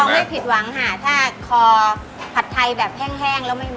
ไม่ผิดหวังค่ะถ้าคอผัดไทยแบบแห้งแล้วไม่มี